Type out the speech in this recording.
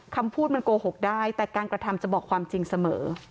คำพูดมันโกหกได้แต่การกระทำจะบอกความจริงเสมอ